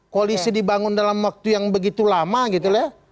koalisi dibangun dalam waktu yang begitu lama gitu ya